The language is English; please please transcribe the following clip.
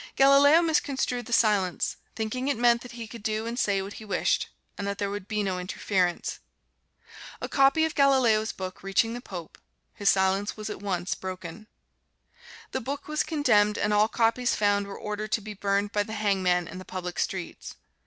Galileo misconstrued the silence, thinking it meant that he could do and say what he wished and that there would be no interference. A copy of Galileo's book reaching the Pope, his silence was at once broken. The book was condemned and all copies found were ordered to be burned by the hangman in the public streets.